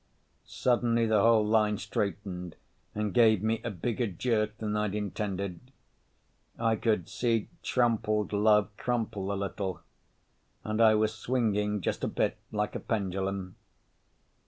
Suddenly the whole line straightened and gave me a bigger jerk than I'd intended. I could see Trompled Love crumple a little. And I was swinging just a bit, like a pendulum.